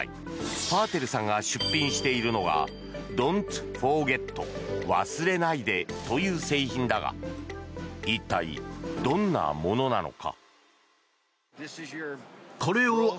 ファーテルさんが出品しているのがＤｏｎ’ｔＦｏｒｇｅｔ忘れないでという製品だが一体どんなものなのか。